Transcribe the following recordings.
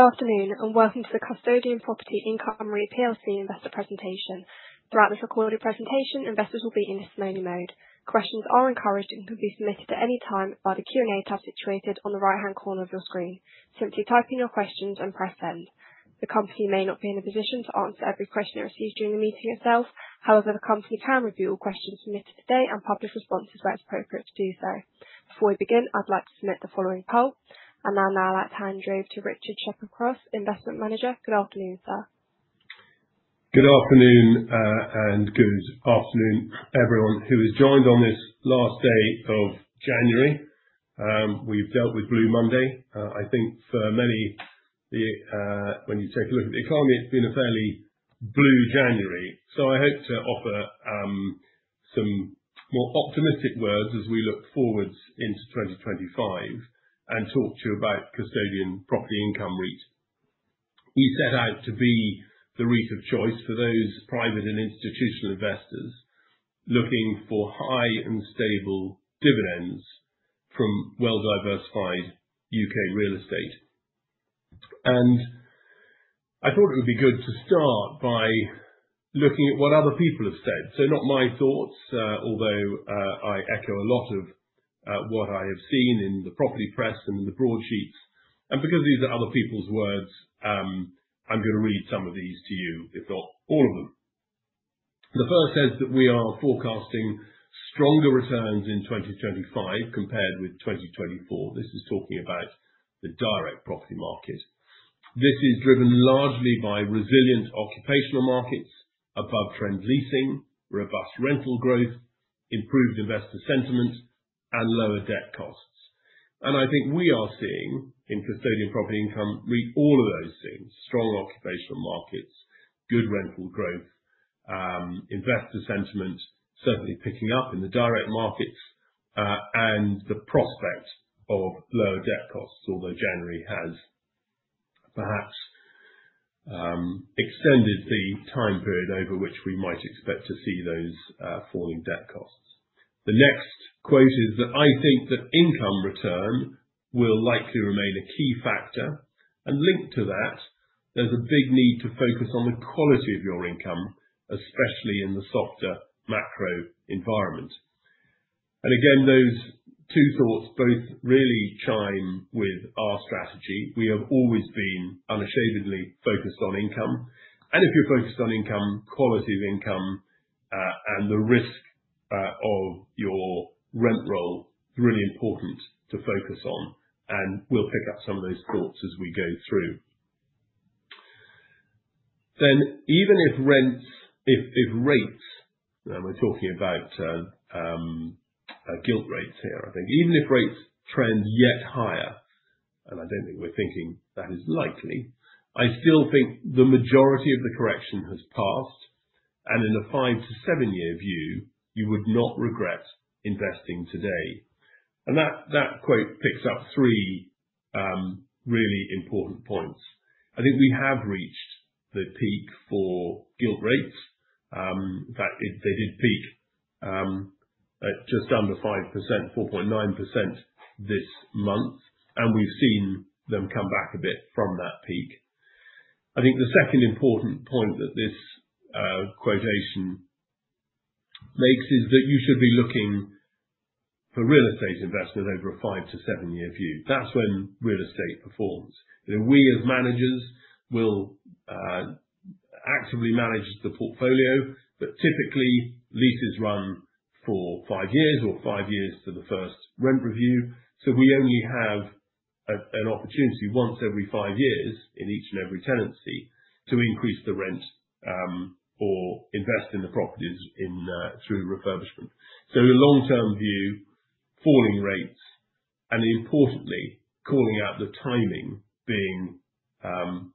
Good afternoon and welcome to the Custodian Property Income REIT PLC Investor Presentation. Throughout this recorded presentation, investors will be in testimony mode. Questions are encouraged and can be submitted at any time via the Q&A tab situated on the right-hand corner of your screen. Simply type in your questions and press send. The company may not be in a position to answer every question it receives during the meeting itself. However, the company can review all questions submitted today and publish responses where it's appropriate to do so. Before we begin, I'd like to submit the following poll, and I'll now hand over to Richard Shepherd-Cross, Investment Manager. Good afternoon, sir. Good afternoon and good afternoon, everyone who has joined on this last day of January. We've dealt with Blue Monday. I think for many, when you take a look at the economy, it's been a fairly blue January. So I hope to offer some more optimistic words as we look forward into 2025 and talk to you about Custodian Property Income REIT. We set out to be the REIT of choice for those private and institutional investors looking for high and stable dividends from well-diversified UK real estate. And I thought it would be good to start by looking at what other people have said. So not my thoughts, although I echo a lot of what I have seen in the property press and in the broadsheets. And because these are other people's words, I'm going to read some of these to you, if not all of them. The first says that we are forecasting stronger returns in 2025 compared with 2024. This is talking about the direct property market. This is driven largely by resilient occupational markets, above-trend leasing, robust rental growth, improved investor sentiment, and lower debt costs. And I think we are seeing in Custodian Property Income REIT all of those things: strong occupational markets, good rental growth, investor sentiment certainly picking up in the direct markets, and the prospect of lower debt costs, although January has perhaps extended the time period over which we might expect to see those falling debt costs. The next quote is that I think that income return will likely remain a key factor. And linked to that, there's a big need to focus on the quality of your income, especially in the softer macro environment. And again, those two thoughts both really Chime with our strategy. We have always been unashamedly focused on income. And if you're focused on income, quality of income, and the risk of your rent roll, it's really important to focus on. And we'll pick up some of those thoughts as we go through. Then even if rents, if rates, and we're talking about gilt rates here, I think even if rates trend yet higher, and I don't think we're thinking that is likely, I still think the majority of the correction has passed. And in a five to seven-year view, you would not regret investing today. And that quote picks up three really important points. I think we have reached the peak for gilt rates. In fact, they did peak at just under 5%, 4.9% this month, and we've seen them come back a bit from that peak. I think the second important point that this quotation makes is that you should be looking for real estate investment over a five- to seven-year view. That's when real estate performs. We as managers will actively manage the portfolio, but typically leases run for five years or five years to the first rent review. So we only have an opportunity once every five years in each and every tenancy to increase the rent or invest in the properties through refurbishment. So the long-term view, falling rates, and importantly, calling out the timing being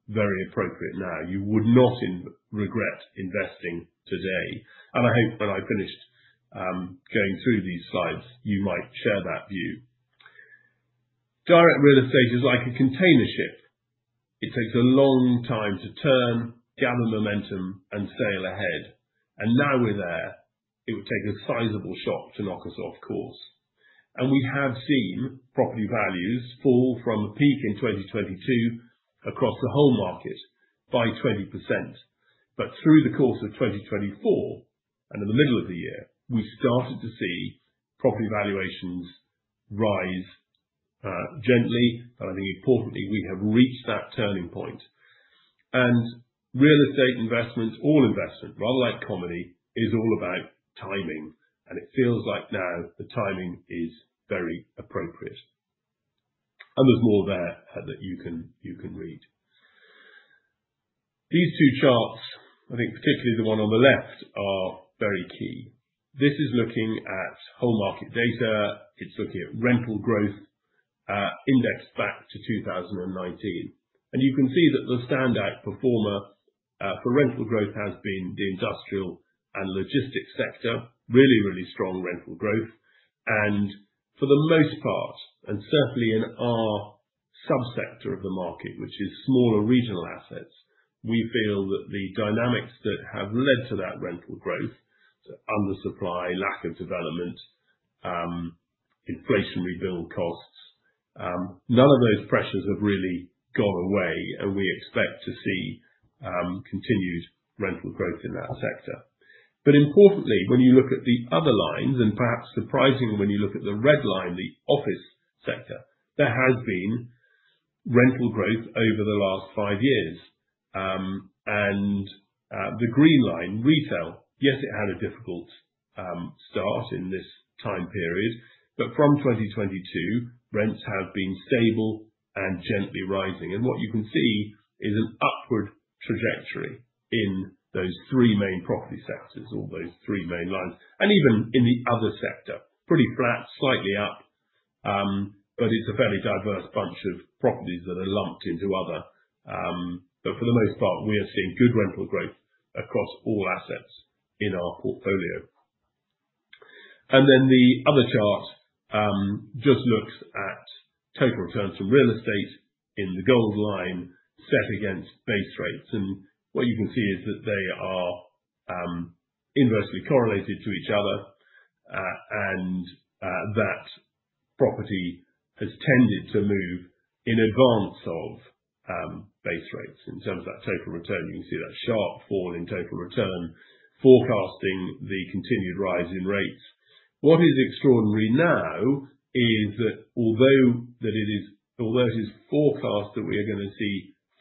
very appropriate now. You would not regret investing today. And I hope when I finished going through these slides, you might share that view. Direct real estate is like a container ship. It takes a long time to turn, gather momentum, and sail ahead. And now we're there, it would take a sizable shock to knock us off course. And we have seen property values fall from a peak in 2022 across the whole market by 20%. But through the course of 2024 and in the middle of the year, we started to see property valuations rise gently. And I think importantly, we have reached that turning point. And real estate investment, all investment, rather like comedy, is all about timing. And it feels like now the timing is very appropriate. And there's more there that you can read. These two charts, I think particularly the one on the left, are very key. This is looking at whole market data. It's looking at rental growth indexed back to 2019. And you can see that the standout performer for rental growth has been the industrial and logistics sector, really, really strong rental growth. And for the most part, and certainly in our subsector of the market, which is smaller regional assets, we feel that the dynamics that have led to that rental growth, undersupply, lack of development, inflationary build costs, none of those pressures have really gone away. And we expect to see continued rental growth in that sector. But importantly, when you look at the other lines, and perhaps surprising when you look at the red line, the office sector, there has been rental growth over the last five years. And the green line, retail, yes, it had a difficult start in this time period, but from 2022, rents have been stable and gently rising. What you can see is an upward trajectory in those three main property sectors, all those three main lines, and even in the other sector, pretty flat, slightly up, but it's a fairly diverse bunch of properties that are lumped into other. For the most part, we are seeing good rental growth across all assets in our portfolio. Then the other chart just looks at total returns from real estate in the gold line set against base rates. What you can see is that they are inversely correlated to each other, and that property has tended to move in advance of base rates. In terms of that total return, you can see that sharp fall in total return forecasting the continued rise in rates. What is extraordinary now is that although it is forecast that we are going to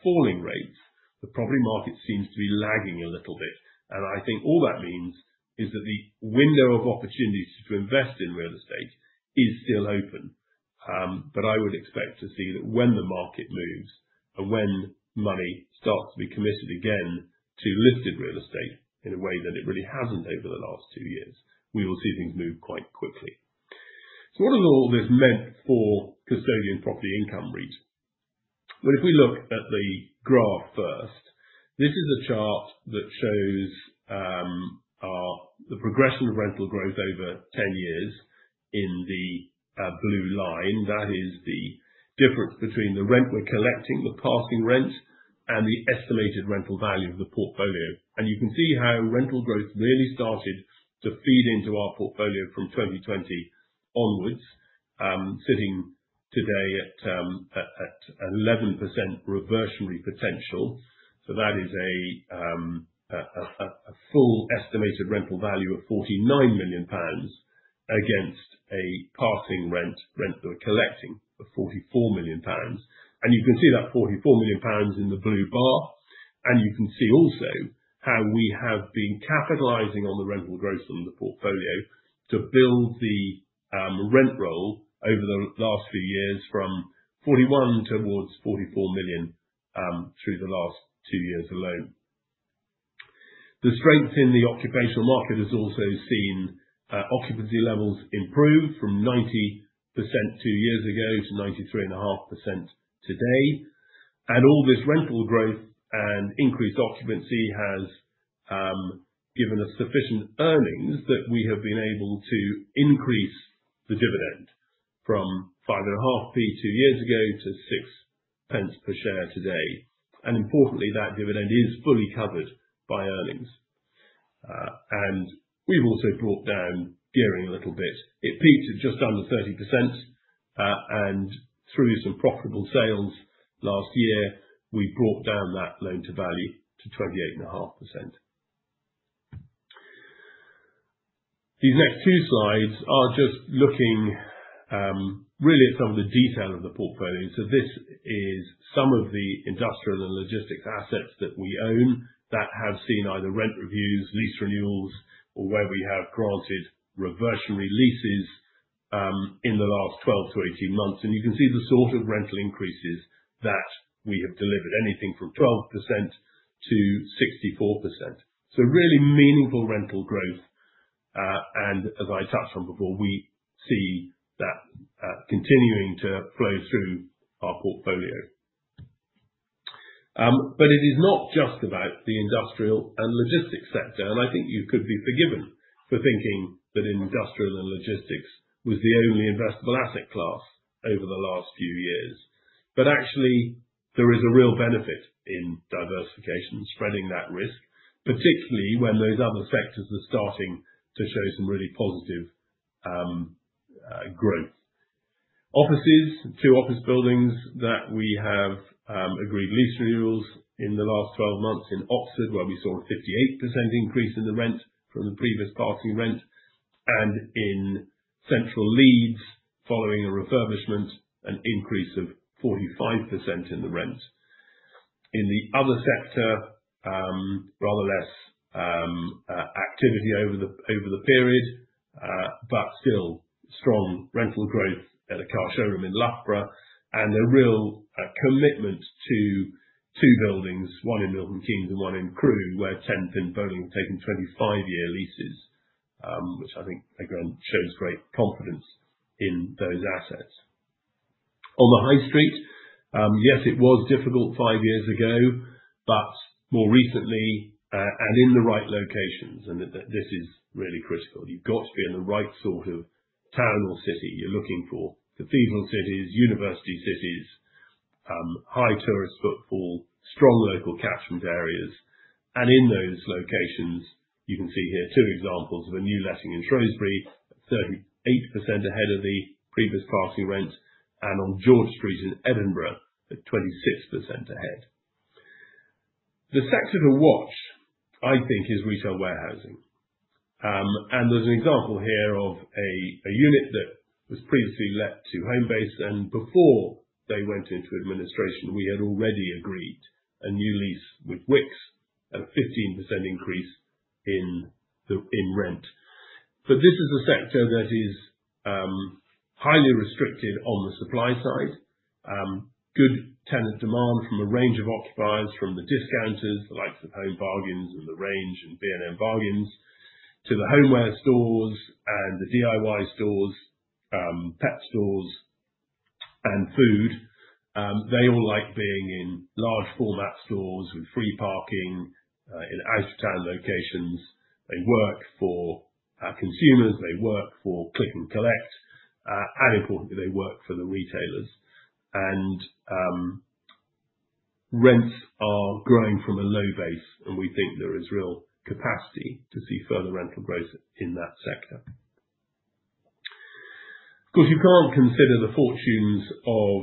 see falling rates, the property market seems to be lagging a little bit. And I think all that means is that the window of opportunities to invest in real estate is still open. But I would expect to see that when the market moves and when money starts to be committed again to listed real estate in a way that it really hasn't over the last two years, we will see things move quite quickly. So what has all this meant for Custodian Property Income REIT? Well, if we look at the graph first, this is a chart that shows the progression of rental growth over 10 years in the blue line. That is the difference between the rent we're collecting, the passing rent, and the estimated rental value of the portfolio. And you can see how rental growth really started to feed into our portfolio from 2020 onwards, sitting today at an 11% reversionary potential. So that is a full estimated rental value of 49 million pounds against a passing rent we're collecting of 44 million pounds. And you can see that 44 million pounds in the blue bar. And you can see also how we have been capitalizing on the rental growth from the portfolio to build the rent roll over the last few years from 41 million towards 44 million through the last two years alone. The strength in the occupational market has also seen occupancy levels improve from 90% two years ago to 93.5% today. And all this rental growth and increased occupancy has given us sufficient earnings that we have been able to increase the dividend from 0.055 two years ago to 0.06 per share today. Importantly, that dividend is fully covered by earnings. We've also brought down gearing a little bit. It peaked at just under 30%. Through some profitable sales last year, we brought down that loan to value to 28.5%. These next two slides are just looking really at some of the detail of the portfolio. This is some of the industrial and logistics assets that we own that have seen either rent reviews, lease renewals, or where we have granted reversionary leases in the last 12-18 months. You can see the sort of rental increases that we have delivered, anything from 12%-64%. Really meaningful rental growth. As I touched on before, we see that continuing to flow through our portfolio. It is not just about the industrial and logistics sector. I think you could be forgiven for thinking that industrial and logistics was the only investable asset class over the last few years. But actually, there is a real benefit in diversification and spreading that risk, particularly when those other sectors are starting to show some really positive growth. Offices, two office buildings that we have agreed lease renewals in the last 12 months in Oxford, where we saw a 58% increase in the rent from the previous passing rent. And in Central Leeds, following a refurbishment, an increase of 45% in the rent. In the other sector, rather less activity over the period, but still strong rental growth at a car showroom in Loughborough. And a real commitment to two buildings, one in Milton Keynes and one in Crewe, where tenants are taking 25 years leases, which I think again shows great confidence in those assets. On the high street, yes, it was difficult five years ago, but more recently and in the right locations, and this is really critical. You've got to be in the right sort of town or city you're looking for. Cathedral cities, university cities, high tourist footfall, strong local catchment areas, and in those locations, you can see here two examples of a new letting in Shrewsbury, 38% ahead of the previous passing rent, and on George Street in Edinburgh, at 26% ahead. The sector to watch, I think, is retail warehousing, and there's an example here of a unit that was previously let to Homebase, and before they went into administration, we had already agreed a new lease with Wickes at a 15% increase in rent, but this is a sector that is highly restricted on the supply side. Good tenant demand from a range of occupiers, from the discounters, the likes of Home Bargains and The Range and B&M Bargains, to the homeware stores and the DIY stores, pet stores, and food. They all like being in large format stores with free parking in out-of-town locations. They work for consumers. They work for Click and Collect. And importantly, they work for the retailers. And rents are growing from a low base. And we think there is real capacity to see further rental growth in that sector. Of course, you can't consider the fortunes of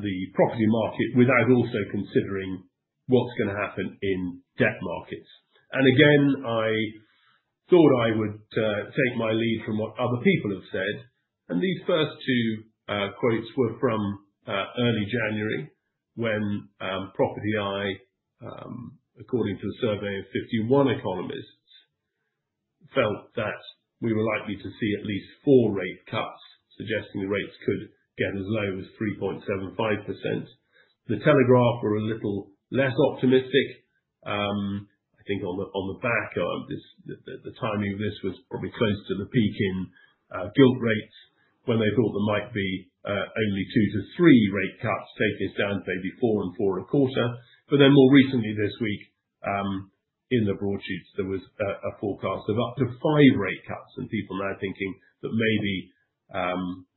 the property market without also considering what's going to happen in debt markets. And again, I thought I would take my lead from what other people have said. These first two quotes were from early January when Property Eye, according to a survey of 51 economists, felt that we were likely to see at least four rate cuts, suggesting the rates could get as low as 3.75%. The Telegraph were a little less optimistic. I think on the back, the timing of this was probably close to the peak in gilt rates when they thought there might be only two to three rate cuts, taking us down to maybe four and four and a quarter. But then more recently this week, in the broadsheets, there was a forecast of up to five rate cuts. And people now thinking that maybe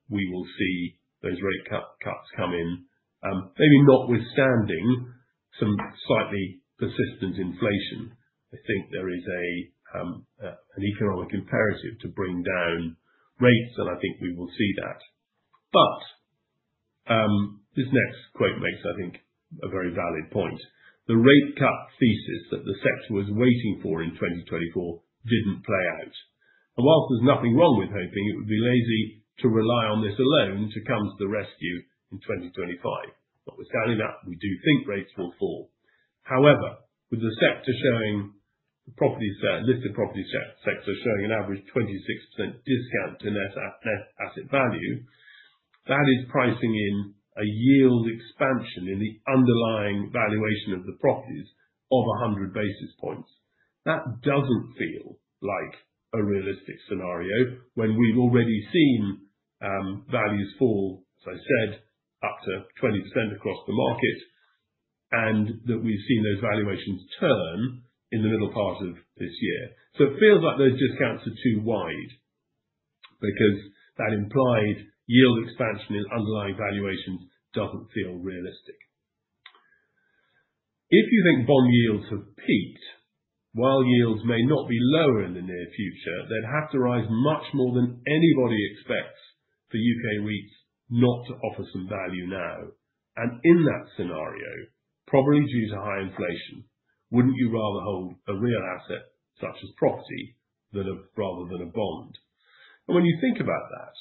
we will see those rate cuts come in, maybe notwithstanding some slightly persistent inflation. I think there is an economic imperative to bring down rates. And I think we will see that. But this next quote makes, I think, a very valid point. The rate cut thesis that the sector was waiting for in 2024 didn't play out. And whilst there's nothing wrong with hoping, it would be lazy to rely on this alone to come to the rescue in 2025. Notwithstanding that, we do think rates will fall. However, with the listed property sector showing an average 26% discount to net asset value, that is pricing in a yield expansion in the underlying valuation of the properties of 100 basis points. That doesn't feel like a realistic scenario when we've already seen values fall, as I said, up to 20% across the market, and that we've seen those valuations turn in the middle part of this year. So it feels like those discounts are too wide because that implied yield expansion in underlying valuations doesn't feel realistic. If you think bond yields have peaked, while yields may not be lower in the near future, they'd have to rise much more than anybody expects for U.K. REITs not to offer some value now. And in that scenario, probably due to high inflation, wouldn't you rather hold a real asset such as property rather than a bond? And when you think about that,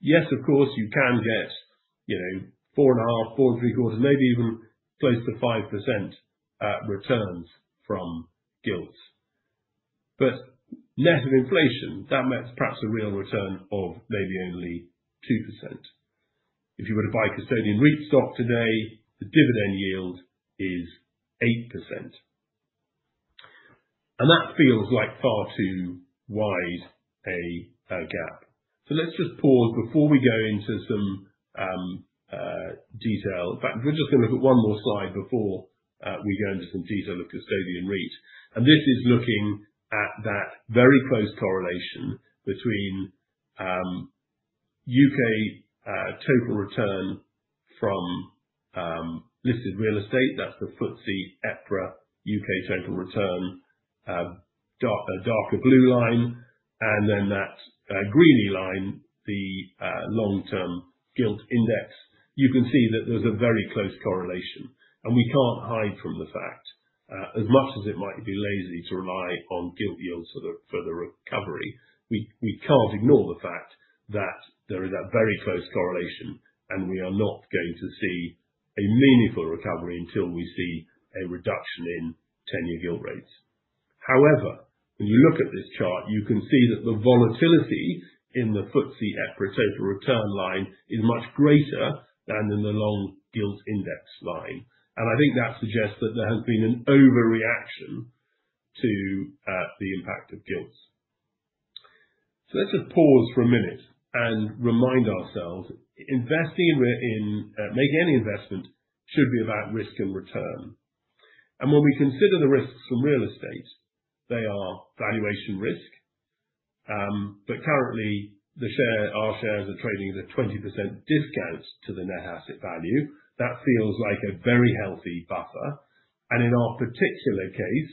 yes, of course, you can get four and a half, four and three quarters, maybe even close to 5% returns from Gilts. But net of inflation, that meant perhaps a real return of maybe only 2%. If you were to buy Custodian REIT stock today, the dividend yield is 8%. And that feels like far too wide a gap. So let's just pause before we go into some detail. In fact, we're just going to look at one more slide before we go into some detail of Custodian REIT, and this is looking at that very close correlation between UK total return from listed real estate. That's the FTSE EPRA UK total return, a darker blue line, and then that greeny line, the long-term gilt index. You can see that there's a very close correlation, and we can't hide from the fact, as much as it might be lazy to rely on gilt yields for the recovery. We can't ignore the fact that there is that very close correlation, and we are not going to see a meaningful recovery until we see a reduction in ten-year gilt rates. However, when you look at this chart, you can see that the volatility in the FTSE EPRA total return line is much greater than in the long Gilt Index line. And I think that suggests that there has been an overreaction to the impact of gilts. So let's just pause for a minute and remind ourselves, investing in making any investment should be about risk and return. And when we consider the risks from real estate, they are valuation risk. But currently, our shares are trading at a 20% discount to the net asset value. That feels like a very healthy buffer. And in our particular case,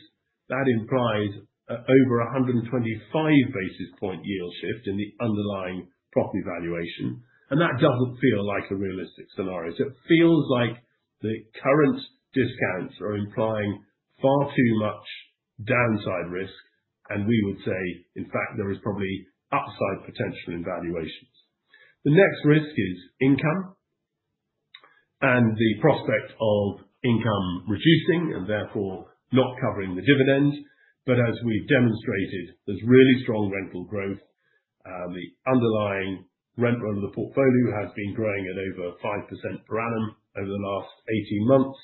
that implies over 125 basis point yield shift in the underlying property valuation. And that doesn't feel like a realistic scenario. So it feels like the current discounts are implying far too much downside risk. And we would say, in fact, there is probably upside potential in valuations. The next risk is income and the prospect of income reducing and therefore not covering the dividend. But as we've demonstrated, there's really strong rental growth. The underlying rent run of the portfolio has been growing at over 5% per annum over the last 18 months.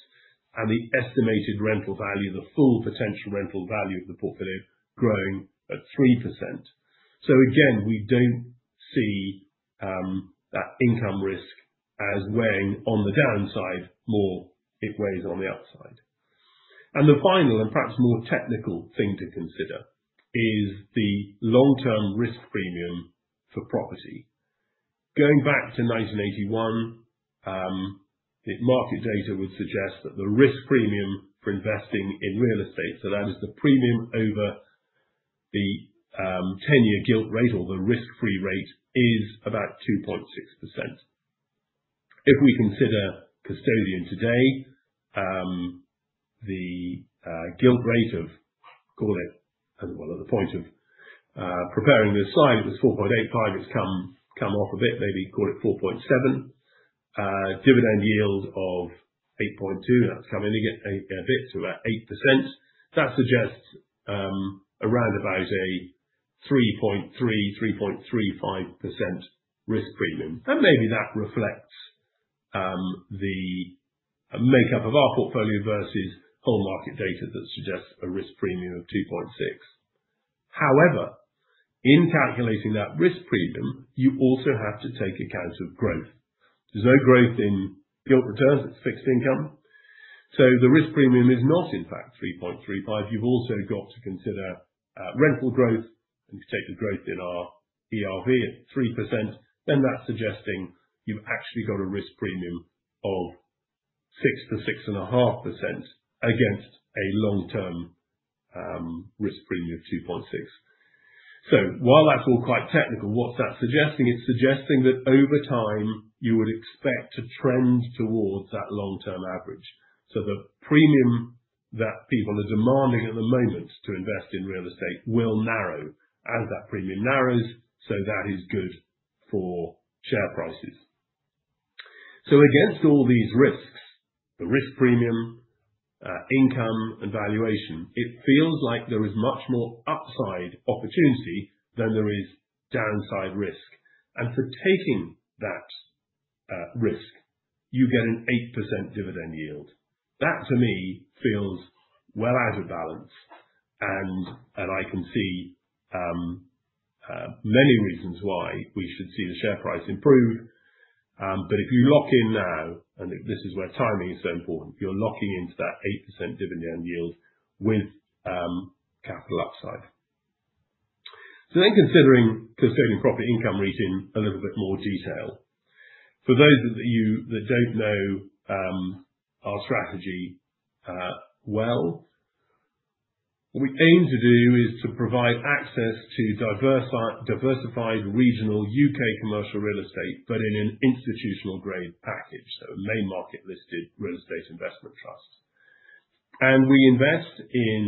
And the estimated rental value, the full potential rental value of the portfolio, growing at 3%. So again, we don't see that income risk as weighing on the downside more. It weighs on the upside. And the final and perhaps more technical thing to consider is the long-term risk premium for property. Going back to 1981, the market data would suggest that the risk premium for investing in real estate, so that is the premium over the ten-year gilt rate or the risk-free rate, is about 2.6%. If we consider Custodian today, the gilt rate of, call it, as well as the point of preparing this slide, it was 4.85%. It's come off a bit, maybe call it 4.7%. Dividend yield of 8.2%, that's come in a bit to about 8%. That suggests around about a 3.3%-3.35% risk premium. And maybe that reflects the makeup of our portfolio versus whole market data that suggests a risk premium of 2.6%. However, in calculating that risk premium, you also have to take account of growth. There's no growth in gilt returns; it's fixed income. So the risk premium is not, in fact, 3.35%. You've also got to consider rental growth. And if you take the growth in our ERV at 3%, then that's suggesting you've actually got a risk premium of 6%-6.5% against a long-term risk premium of 2.6%. So while that's all quite technical, what's that suggesting? It's suggesting that over time, you would expect to trend towards that long-term average. So the premium that people are demanding at the moment to invest in real estate will narrow as that premium narrows. So that is good for share prices. So against all these risks, the risk premium, income, and valuation, it feels like there is much more upside opportunity than there is downside risk. And for taking that risk, you get an 8% dividend yield. That, to me, feels well out of balance. And I can see many reasons why we should see the share price improve. But if you lock in now, and this is where timing is so important, you're locking into that 8% dividend yield with capital upside. So then considering Custodian Property Income REIT in a little bit more detail. For those that don't know our strategy well, what we aim to do is to provide access to diversified regional U.K. commercial real estate, but in an institutional-grade package. So a main market listed real estate investment trust. We invest in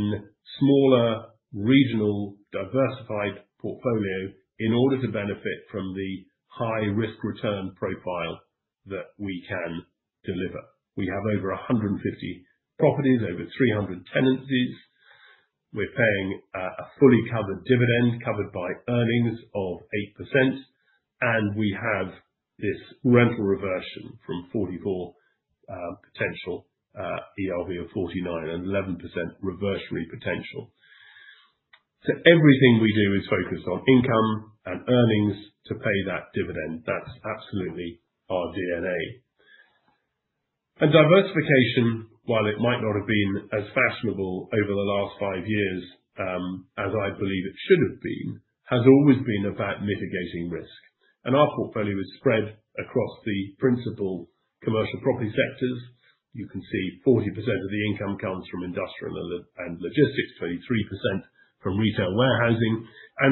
smaller regional diversified portfolio in order to benefit from the high risk return profile that we can deliver. We have over 150 properties, over 300 tenancies. We're paying a fully covered dividend covered by earnings of 8%. And we have this rental reversion from 44% potential ERV of 49% and 11% reversion potential. So everything we do is focused on income and earnings to pay that dividend. That's absolutely our DNA. Diversification, while it might not have been as fashionable over the last five years as I believe it should have been, has always been about mitigating risk. Our portfolio is spread across the principal commercial property sectors. You can see 40% of the income comes from industrial and logistics, 23% from retail warehousing.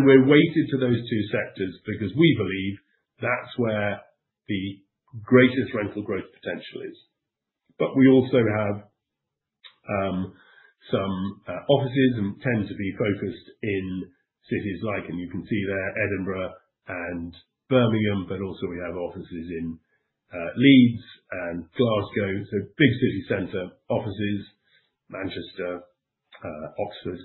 We're weighted to those two sectors because we believe that's where the greatest rental growth potential is. We also have some offices and tend to be focused in cities like, and you can see there, Edinburgh and Birmingham, but also we have offices in Leeds and Glasgow. Big city center offices, Manchester, Oxford.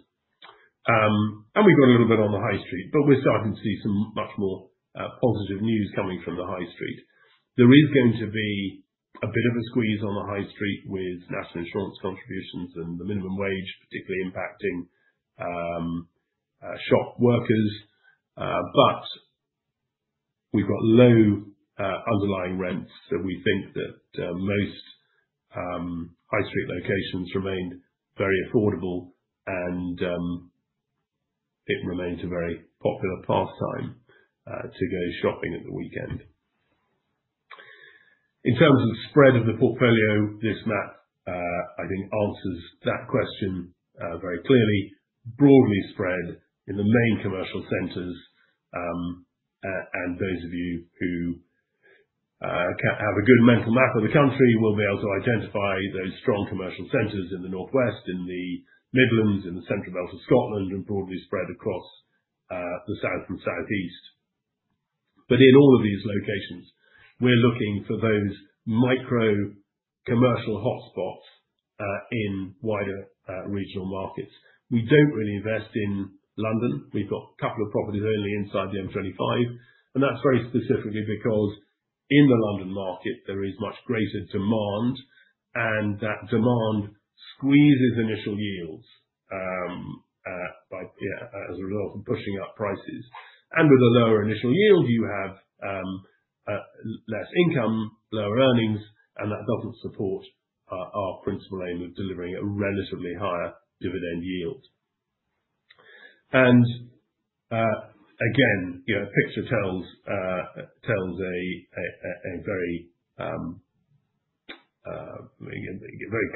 We've got a little bit on the high street, but we're starting to see some much more positive news coming from the high street. There is going to be a bit of a squeeze on the high street with national insurance contributions and the minimum wage particularly impacting shop workers. We've got low underlying rents. So we think that most high street locations remain very affordable, and it remains a very popular pastime to go shopping at the weekend. In terms of spread of the portfolio, this map, I think, answers that question very clearly. Broadly spread in the main commercial centers. And those of you who have a good mental map of the country will be able to identify those strong commercial centers in the Northwest, in the Midlands, in the central belt of Scotland, and broadly spread across the south and southeast. But in all of these locations, we're looking for those micro commercial hotspots in wider regional markets. We don't really invest in London. We've got a couple of properties only inside the M25. And that's very specifically because in the London market, there is much greater demand. And that demand squeezes initial yields as a result of pushing up prices. And with a lower initial yield, you have less income, lower earnings, and that doesn't support our principal aim of delivering a relatively higher dividend yield. And again, a picture tells a very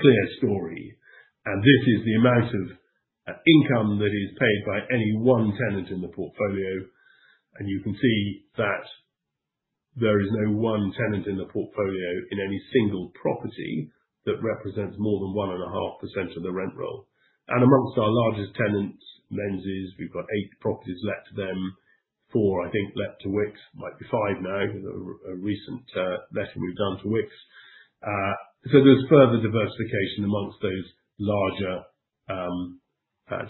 clear story. And this is the amount of income that is paid by any one tenant in the portfolio. And you can see that there is no one tenant in the portfolio in any single property that represents more than 1.5% of the rent roll. And among our largest tenants, Menzies, we've got eight properties let to them. Four, I think, let to Wickes. Might be five now because of a recent letting we've done to Wickes. So there's further diversification among those larger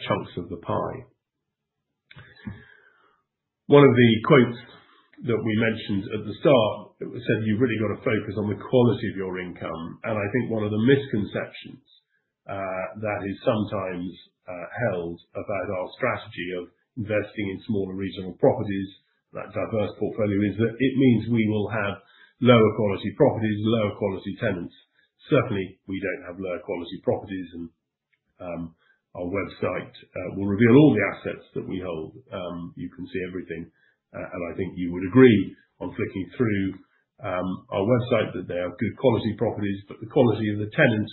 chunks of the pie. One of the quotes that we mentioned at the start said, "You've really got to focus on the quality of your income." And I think one of the misconceptions that is sometimes held about our strategy of investing in smaller regional properties, that diverse portfolio, is that it means we will have lower quality properties, lower quality tenants. Certainly, we don't have lower quality properties. And our website will reveal all the assets that we hold. You can see everything. And I think you would agree on flicking through our website that they are good quality properties. But the quality of the tenant,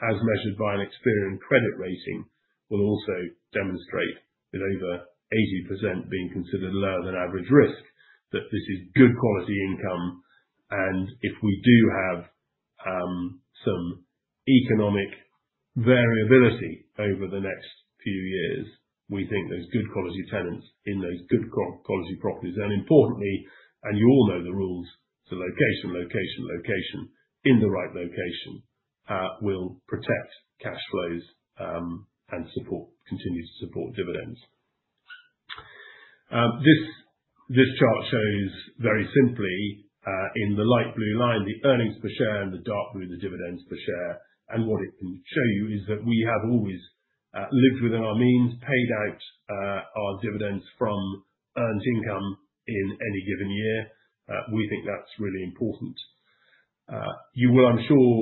as measured by an Experian credit rating, will also demonstrate with over 80% being considered lower than average risk, that this is good quality income. And if we do have some economic variability over the next few years, we think those good quality tenants in those good quality properties. And importantly, and you all know the rule is location, location, location in the right location will protect cash flows and continue to support dividends. This chart shows very simply in the light blue line the earnings per share and the dark blue the dividends per share. And what it can show you is that we have always lived within our means, paid out our dividends from earned income in any given year. We think that's really important. You will, I'm sure,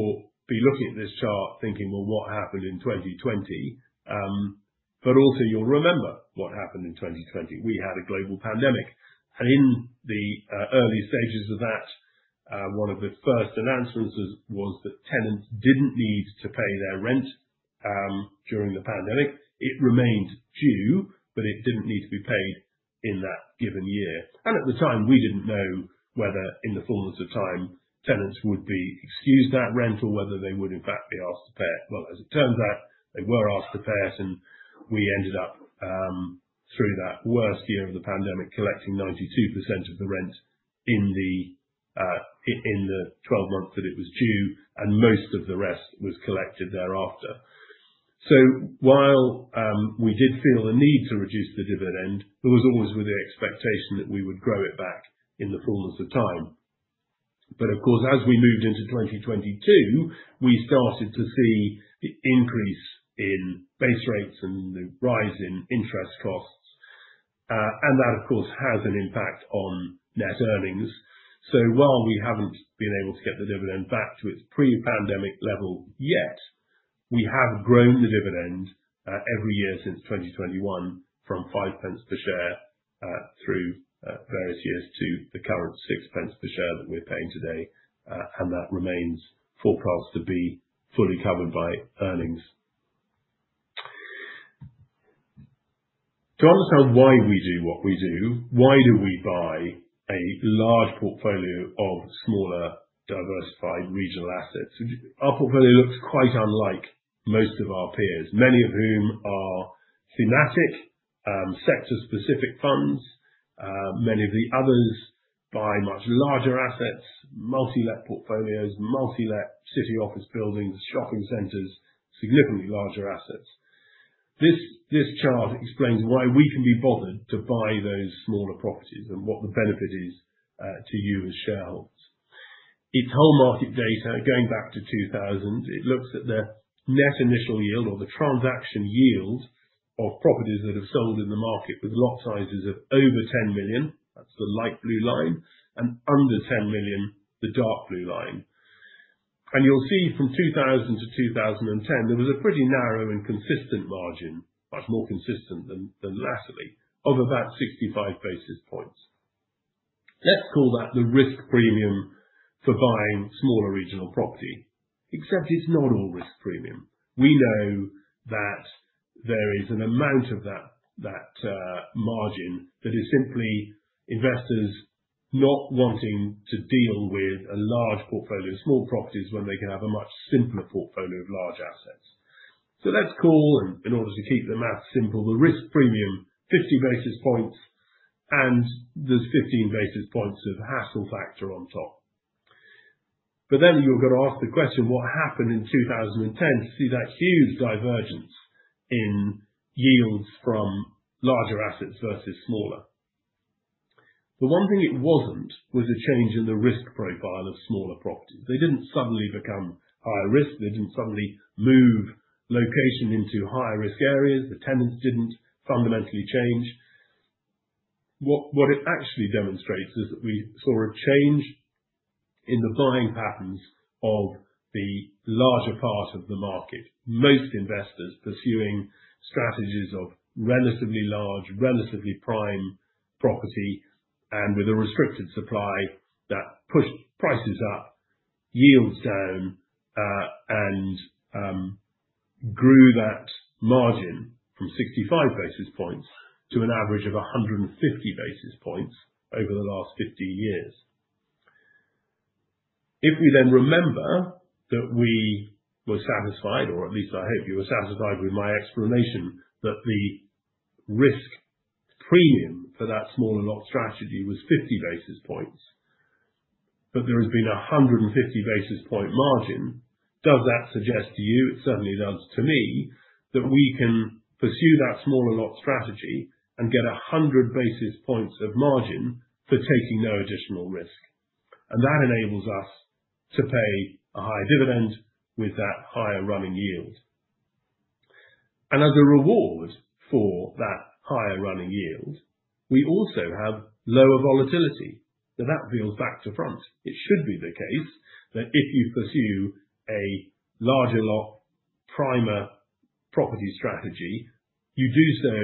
be looking at this chart thinking, "Well, what happened in 2020?" But also you'll remember what happened in 2020. We had a global pandemic. In the early stages of that, one of the first announcements was that tenants didn't need to pay their rent during the pandemic. It remained due, but it didn't need to be paid in that given year. And at the time, we didn't know whether in the fullness of time, tenants would be excused that rent or whether they would in fact be asked to pay it. Well, as it turns out, they were asked to pay it. And we ended up through that worst year of the pandemic collecting 92% of the rent in the 12 months that it was due. And most of the rest was collected thereafter. So while we did feel the need to reduce the dividend, it was always with the expectation that we would grow it back in the fullness of time. But of course, as we moved into 2022, we started to see the increase in base rates and the rise in interest costs. And that, of course, has an impact on net earnings. So while we haven't been able to get the dividend back to its pre-pandemic level yet, we have grown the dividend every year since 2021 from 0.05 per share through various years to the current 0.06 per share that we're paying today. And that remains forecast to be fully covered by earnings. To understand why we do what we do, why do we buy a large portfolio of smaller diversified regional assets? Our portfolio looks quite unlike most of our peers, many of whom are thematic, sector-specific funds. Many of the others buy much larger assets, multi-let portfolios, multi-let city office buildings, shopping centers, significantly larger assets. This chart explains why we can be bothered to buy those smaller properties and what the benefit is to you as shareholders. It's whole market data going back to 2000. It looks at the net initial yield or the transaction yield of properties that have sold in the market with lot sizes of over 10 million. That's the light blue line, and under 10 million, the dark blue line, and you'll see from 2000 to 2010, there was a pretty narrow and consistent margin, much more consistent than latterly, of about 65 basis points. Let's call that the risk premium for buying smaller regional property. Except it's not all risk premium. We know that there is an amount of that margin that is simply investors not wanting to deal with a large portfolio of small properties when they can have a much simpler portfolio of large assets. So let's call, in order to keep the math simple, the risk premium 50 basis points. And there's 15 basis points of hassle factor on top. But then you're going to ask the question, what happened in 2010 to see that huge divergence in yields from larger assets versus smaller? The one thing it wasn't was a change in the risk profile of smaller properties. They didn't suddenly become higher risk. They didn't suddenly move location into higher risk areas. The tenants didn't fundamentally change. What it actually demonstrates is that we saw a change in the buying patterns of the larger part of the market. Most investors pursuing strategies of relatively large, relatively prime property and with a restricted supply that pushed prices up, yields down, and grew that margin from 65 basis points to an average of 150 basis points over the last 15 years. If we then remember that we were satisfied, or at least I hope you were satisfied with my explanation, that the risk premium for that smaller lot strategy was 50 basis points, but there has been a 150 basis point margin, does that suggest to you? It certainly does to me that we can pursue that smaller lot strategy and get 100 basis points of margin for taking no additional risk. And that enables us to pay a higher dividend with that higher running yield. And as a reward for that higher running yield, we also have lower volatility. Now, that feels back to front. It should be the case that if you pursue a larger lot premier property strategy, you do so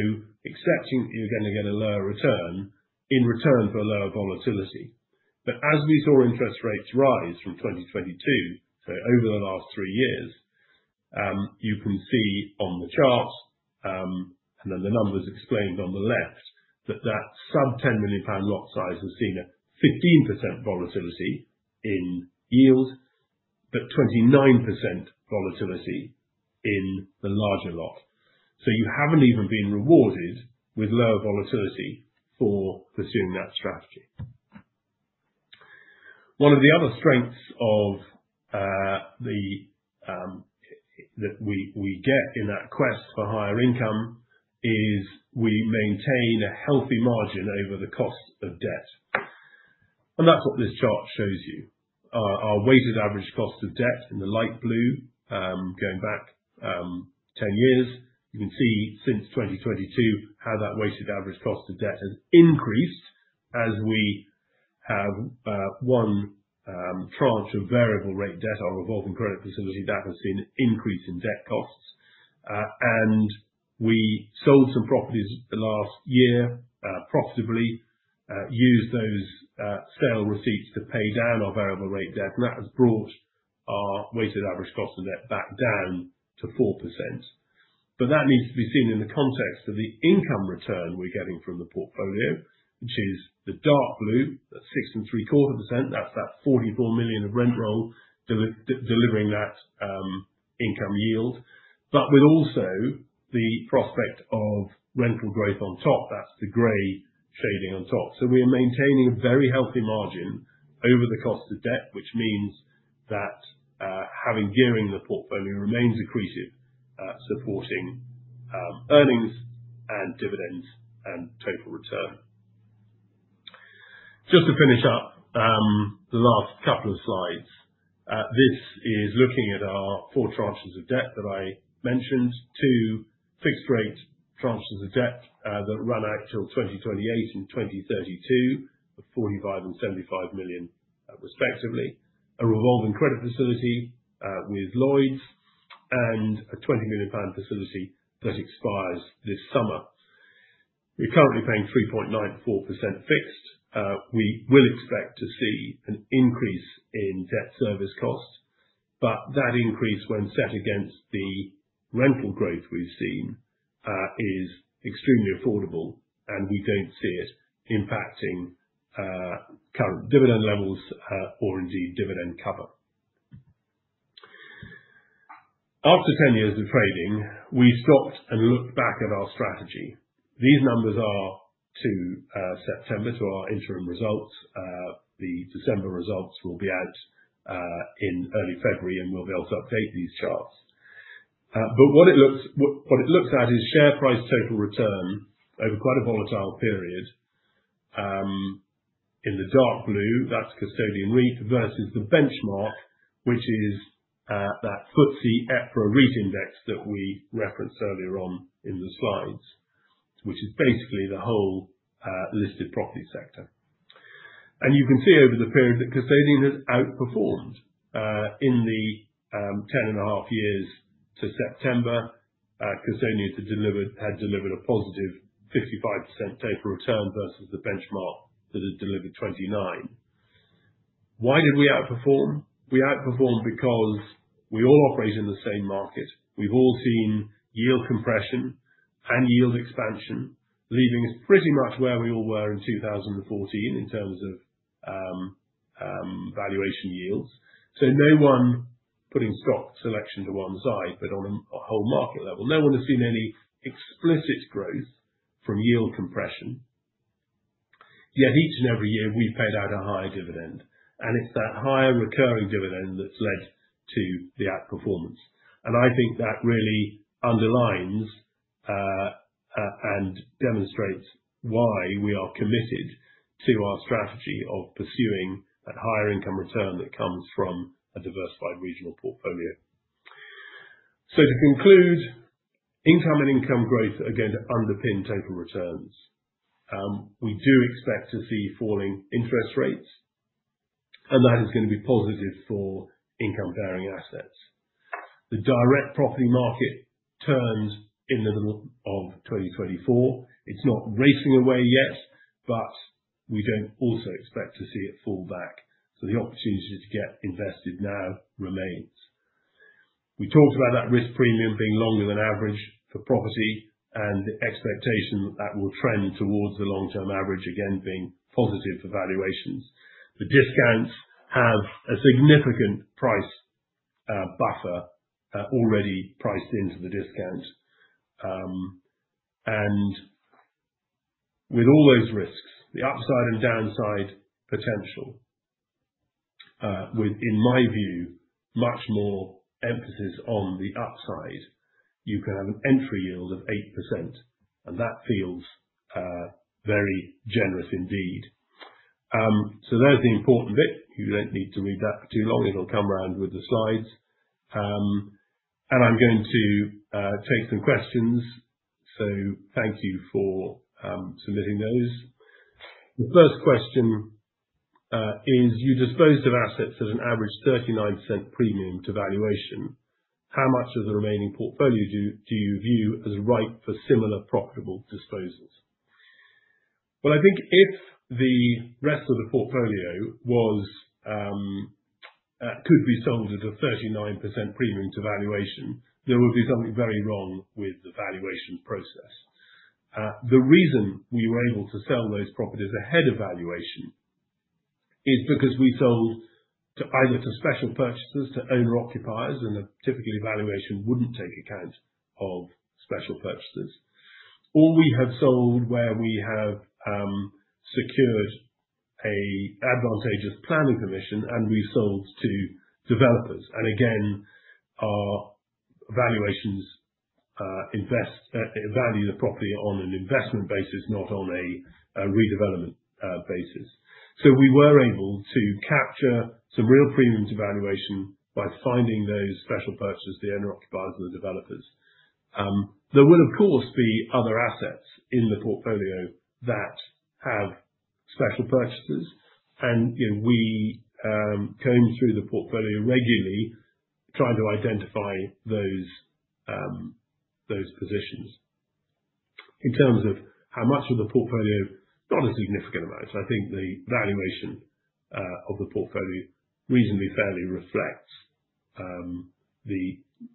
accepting that you're going to get a lower return in return for lower volatility. But as we saw interest rates rise from 2022, so over the last three years, you can see on the chart and then the numbers explained on the left that that sub-£10 million-pound lot size has seen a 15% volatility in yield, but 29% volatility in the larger lot. So you haven't even been rewarded with lower volatility for pursuing that strategy. One of the other strengths that we get in that quest for higher income is we maintain a healthy margin over the cost of debt. And that's what this chart shows you. Our weighted average cost of debt in the light blue, going back 10 years, you can see since 2022 how that weighted average cost of debt has increased as we have one tranche of variable rate debt, our revolving credit facility, that has seen an increase in debt costs. And we sold some properties last year profitably, used those sale receipts to pay down our variable rate debt. And that has brought our weighted average cost of debt back down to 4%. But that needs to be seen in the context of the income return we're getting from the portfolio, which is the dark blue, that's 6.75%. That's that 44 million of rent roll delivering that income yield. But with also the prospect of rental growth on top, that's the gray shading on top. So we are maintaining a very healthy margin over the cost of debt, which means that having gearing the portfolio remains accretive, supporting earnings and dividends and total return. Just to finish up the last couple of slides, this is looking at our four tranches of debt that I mentioned, two fixed rate tranches of debt that run out till 2028 and 2032 of 45 million and 75 million respectively, a revolving credit facility with Lloyds, and a 20 million pound facility that expires this summer. We're currently paying 3.94% fixed. We will expect to see an increase in debt service cost, but that increase, when set against the rental growth we've seen, is extremely affordable, and we don't see it impacting current dividend levels or indeed dividend cover. After 10 years of trading, we stopped and looked back at our strategy. These numbers are to September, to our interim results. The December results will be out in early February, and we'll be able to update these charts. But what it looks at is share price total return over quite a volatile period. In the dark blue, that's Custodian REIT versus the benchmark, which is that FTSE EPRA UK index that we referenced earlier on in the slides, which is basically the whole listed property sector. And you can see over the period that Custodian has outperformed in the 10 and a half years to September. Custodian had delivered a positive 55% total return versus the benchmark that had delivered 29%. Why did we outperform? We outperformed because we all operate in the same market. We've all seen yield compression and yield expansion leaving us pretty much where we all were in 2014 in terms of valuation yields. So no one putting stock selection to one side, but on a whole market level, no one has seen any explicit growth from yield compression. Yet each and every year, we've paid out a higher dividend, and it's that higher recurring dividend that's led to the outperformance, and I think that really underlines and demonstrates why we are committed to our strategy of pursuing that higher income return that comes from a diversified regional portfolio, so to conclude, income and income growth are going to underpin total returns. We do expect to see falling interest rates, and that is going to be positive for income-bearing assets. The direct property market turned in the middle of 2024. It's not racing away yet, but we don't also expect to see it fall back, so the opportunity to get invested now remains. We talked about that risk premium being longer than average for property and the expectation that that will trend towards the long-term average again being positive for valuations. The discounts have a significant price buffer already priced into the discount. And with all those risks, the upside and downside potential, with, in my view, much more emphasis on the upside, you can have an entry yield of 8%. And that feels very generous indeed. So there's the important bit. You don't need to read that for too long. It'll come around with the slides. And I'm going to take some questions. So thank you for submitting those. The first question is, you disposed of assets at an average 39% premium to valuation. How much of the remaining portfolio do you view as ripe for similar profitable disposals? Well, I think if the rest of the portfolio could be sold at a 39% premium to valuation, there would be something very wrong with the valuation process. The reason we were able to sell those properties ahead of valuation is because we sold either to special purchasers, to owner-occupiers, and typically valuation wouldn't take account of special purchasers, or we have sold where we have secured an advantageous planning permission, and we've sold to developers, and again, our valuations value the property on an investment basis, not on a redevelopment basis, so we were able to capture some real premiums of valuation by finding those special purchasers, the owner-occupiers, and the developers. There will, of course, be other assets in the portfolio that have special purchasers, and we comb through the portfolio regularly, trying to identify those positions. In terms of how much of the portfolio, not a significant amount, I think the valuation of the portfolio reasonably fairly reflects the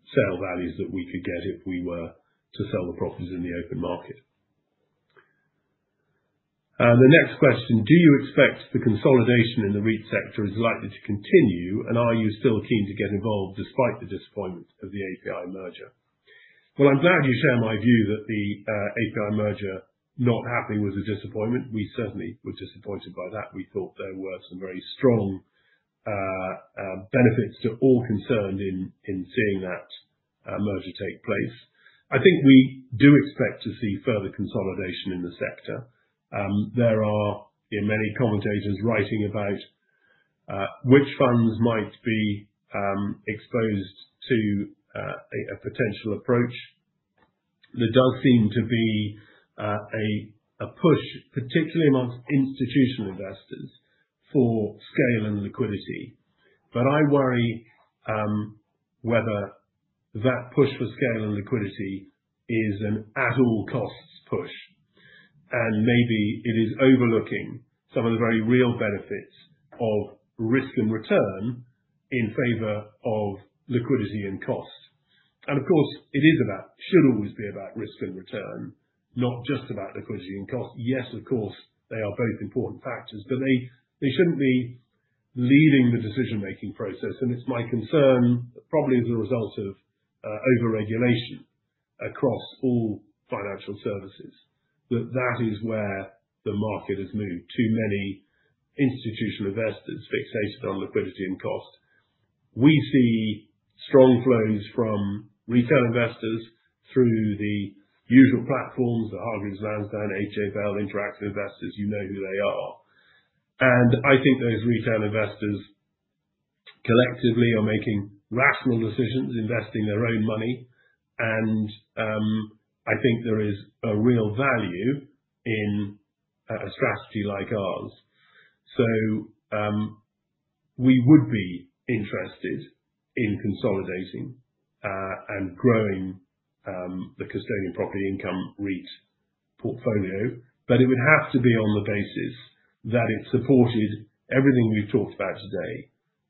sale values that we could get if we were to sell the properties in the open market. The next question, do you expect the consolidation in the REIT sector is likely to continue? And are you still keen to get involved despite the disappointment of the API merger? Well, I'm glad you share my view that the API merger not happening was a disappointment. We certainly were disappointed by that. We thought there were some very strong benefits to all concerned in seeing that merger take place. I think we do expect to see further consolidation in the sector. There are many commentators writing about which funds might be exposed to a potential approach. There does seem to be a push, particularly among institutional investors, for scale and liquidity, but I worry whether that push for scale and liquidity is an at all costs push, and maybe it is overlooking some of the very real benefits of risk and return in favor of liquidity and cost, and of course, it should always be about risk and return, not just about liquidity and cost. Yes, of course, they are both important factors, but they shouldn't be leading the decision-making process, and it's my concern, probably as a result of overregulation across all financial services, that that is where the market has moved. Too many institutional investors fixated on liquidity and cost. We see strong flows from retail investors through the usual platforms, the Hargreaves Lansdown, AJ Bell, Interactive Investor. You know who they are. And I think those retail investors collectively are making rational decisions, investing their own money. And I think there is a real value in a strategy like ours. So we would be interested in consolidating and growing the Custodian Property Income REIT portfolio. But it would have to be on the basis that it supported everything we've talked about today,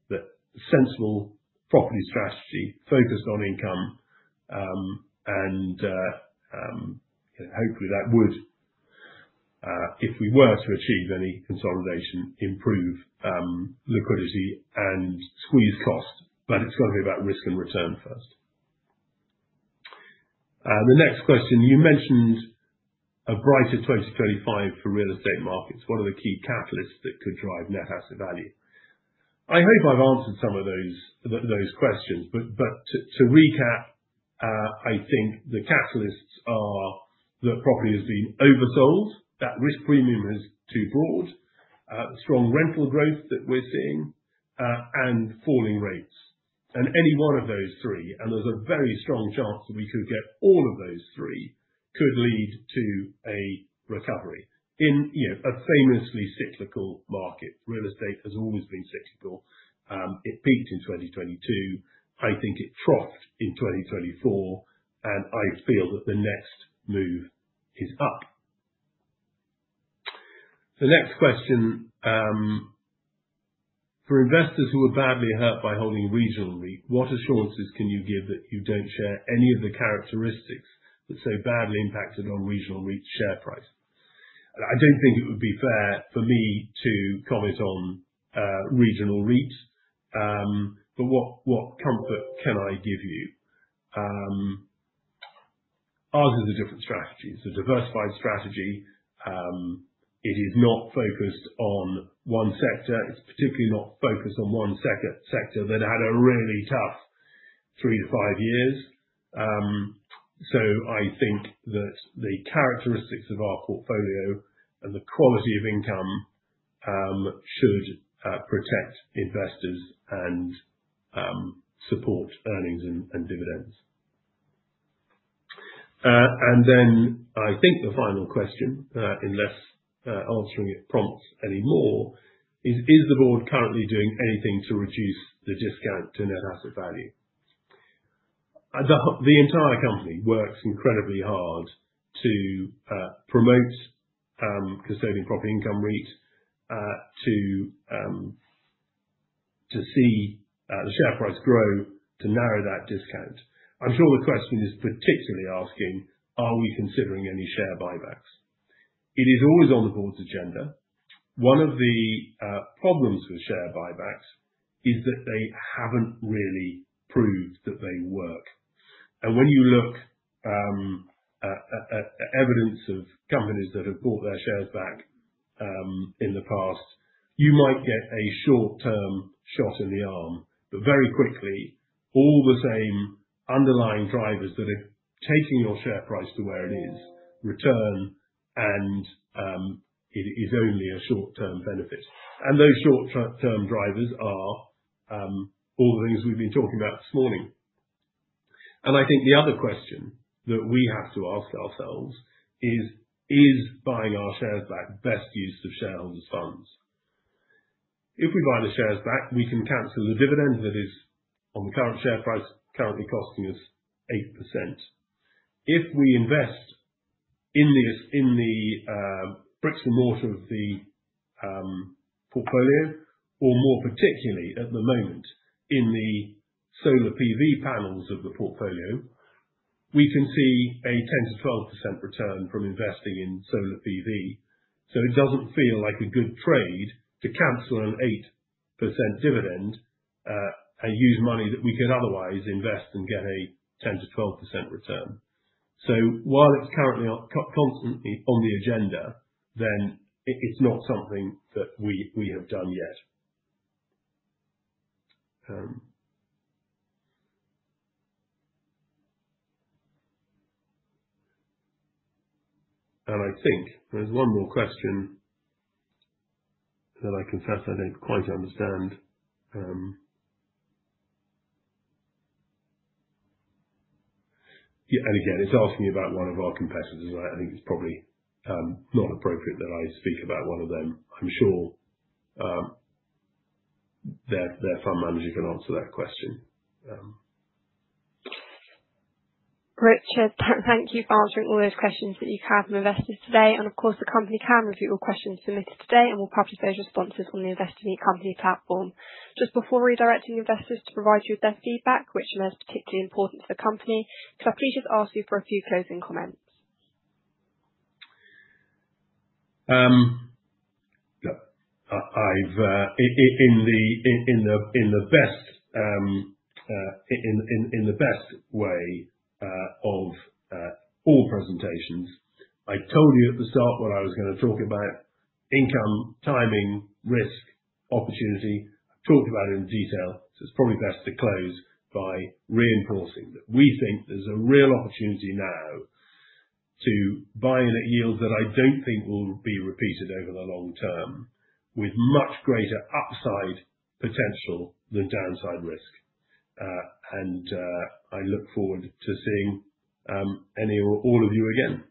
that sensible property strategy focused on income. And hopefully that would, if we were to achieve any consolidation, improve liquidity and squeeze cost. But it's got to be about risk and return first. The next question, you mentioned a brighter 2025 for real estate markets. What are the key catalysts that could drive net asset value? I hope I've answered some of those questions. But to recap, I think the catalysts are that property has been oversold, that risk premium is too broad, strong rental growth that we're seeing, and falling rates. And any one of those three, and there's a very strong chance that we could get all of those three, could lead to a recovery in a famously cyclical market. Real estate has always been cyclical. It peaked in 2022. I think it troughed in 2024. And I feel that the next move is up. The next question, for investors who were badly hurt by holding Regional REIT, what assurances can you give that you don't share any of the characteristics that so badly impacted on Regional REITs' share price? I don't think it would be fair for me to comment on Regional REITs, but what comfort can I give you? Ours is a different strategy. It's a diversified strategy. It is not focused on one sector. It's particularly not focused on one sector that had a really tough three to five years. So I think that the characteristics of our portfolio and the quality of income should protect investors and support earnings and dividends. And then I think the final question, unless answering it prompts any more, is the board currently doing anything to reduce the discount to net asset value? The entire company works incredibly hard to promote Custodian Property Income REIT, to see the share price grow, to narrow that discount. I'm sure the question is particularly asking, are we considering any share buybacks? It is always on the board's agenda. One of the problems with share buybacks is that they haven't really proved that they work. When you look at evidence of companies that have bought their shares back in the past, you might get a short-term shot in the arm. Very quickly, all the same underlying drivers that are taking your share price to where it is return, and it is only a short-term benefit. Those short-term drivers are all the things we've been talking about this morning. I think the other question that we have to ask ourselves is, is buying our shares back best use of shareholders' funds? If we buy the shares back, we can cancel the dividend that is on the current share price, currently costing us 8%. If we invest in the bricks and mortar of the portfolio, or more particularly at the moment in the solar PV panels of the portfolio, we can see a 10%-12% return from investing in solar PV. So it doesn't feel like a good trade to cancel an 8% dividend and use money that we could otherwise invest and get a 10%-12% return. So while it's currently constantly on the agenda, then it's not something that we have done yet. And I think there's one more question that I confess I don't quite understand. And again, it's asking about one of our competitors. I think it's probably not appropriate that I speak about one of them. I'm sure their fund manager can answer that question. Richard, thank you for answering all those questions that you have from investors today. Of course, the company can review all questions submitted today and will publish those responses on the Investor Meet Company platform. Just before redirecting investors to provide you with their feedback, which is particularly important for the company, could I please just ask you for a few closing comments? In the best way of all presentations, I told you at the start what I was going to talk about: income, timing, risk, opportunity. I've talked about it in detail. So it's probably best to close by reinforcing that we think there's a real opportunity now to buy in at yields that I don't think will be repeated over the long term with much greater upside potential than downside risk, and I look forward to seeing any or all of you again.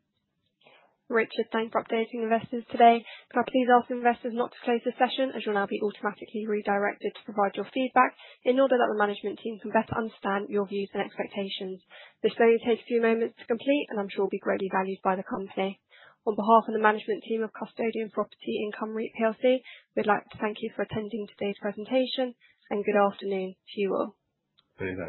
Richard, thank you for updating investors today. Could I please ask investors not to close the session as you'll now be automatically redirected to provide your feedback in order that the management team can better understand your views and expectations? This may take a few moments to complete, and I'm sure it will be greatly valued by the company. On behalf of the management team of Custodian Property Income REIT PLC, we'd like to thank you for attending today's presentation, and good afternoon to you all. Thank you.